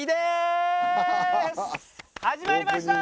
始まりました。